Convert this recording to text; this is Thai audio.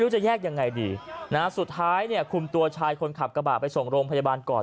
จะแยกยังไงดีนะฮะสุดท้ายเนี่ยคุมตัวชายคนขับกระบาดไปส่งโรงพยาบาลก่อน